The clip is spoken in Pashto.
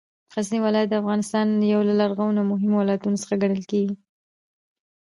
غزنې ولایت د افغانستان یو له لرغونو او مهمو ولایتونو څخه ګڼل کېږې